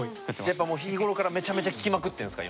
やっぱもう日頃からめちゃめちゃ聴きまくってるんですか？